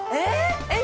えっ！